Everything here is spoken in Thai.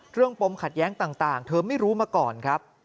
ปมขัดแย้งต่างเธอไม่รู้มาก่อนครับ